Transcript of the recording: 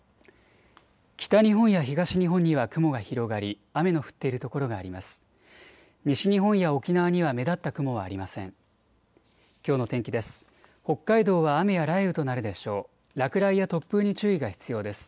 北日本や東日本には雲が広がり雨の降っている所があります。